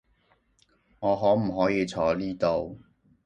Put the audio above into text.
我可唔可以坐呢度？